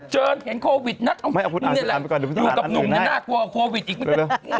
เชิญแห่งโควิดนะนี่แหละอยู่กับหนุ่มน่ากลัวโควิดอีก